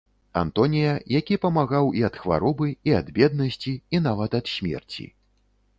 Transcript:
Антонія, які памагаў і ад хваробы, і ад беднасці, і нават ад смерці.